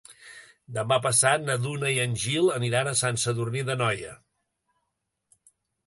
Demà passat na Duna i en Gil aniran a Sant Sadurní d'Anoia.